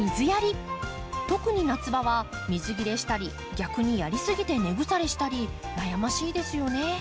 特に夏場は水切れしたり逆にやり過ぎて根腐れしたり悩ましいですよね。